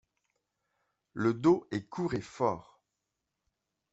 Le dos est court et fort.